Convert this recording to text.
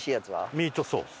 ミートソース。